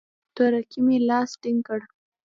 تورکي مې لاس ټينگ کړ.